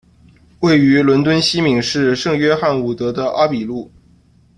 位于伦敦西敏市圣约翰伍德的阿比路。